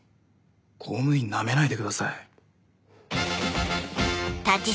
公務員ナメないでください。